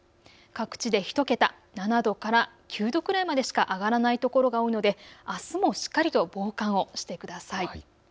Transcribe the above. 各地で１桁、７度から９度くらいまでしか上がらないところが多いので、あすもしっかりと防寒をしてください。